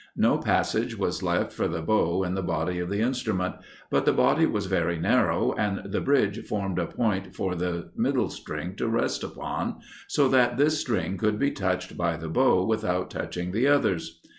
No passage was left for the bow in the body of the instrument, but the body was very narrow, and the bridge formed a point for the middle string to rest upon, so that this string could be touched by the bow without touching the others.